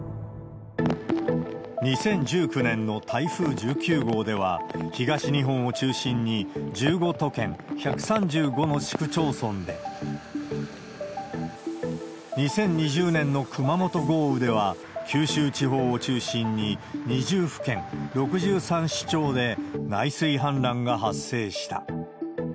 ２０１９年の台風１９号では、東日本を中心に１５都県１３５の市区町村で、２０２０年の熊本豪雨では、九州地方を中心に、２０府県６３市町で内水氾濫が発生した。